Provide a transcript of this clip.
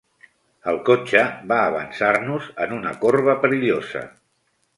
El cotxe va avançar-nos en una corba perillosa.